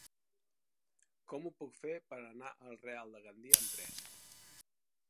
Com ho puc fer per anar al Real de Gandia amb tren?